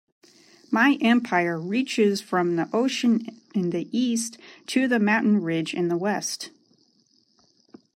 My empire reaches from the ocean in the East to the mountain ridge in the West.